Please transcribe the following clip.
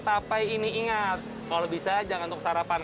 tapai ini ingat kalau bisa jangan untuk sarapan